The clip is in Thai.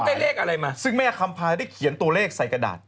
ได้เลขอะไรมาซึ่งแม่คำพาได้เขียนตัวเลขใส่กระดาษ